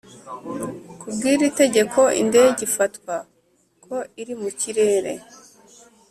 Ku bw iri tegeko indege ifatwa ko iri mu kirere